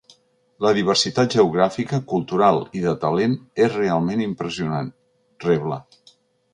“La diversitat geogràfica, cultural i de talent és realment impressionant”, rebla.